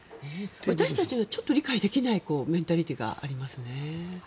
私たちには理解できないメンタリティーがありますね。